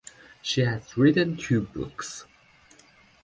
She has written two books.